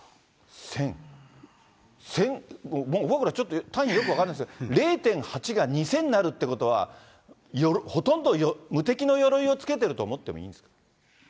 僕ら、単位よく分からないですけれども、０．８が２０００になるということは、ほとんど無敵のよろいを着けてると思ってもいいんですか。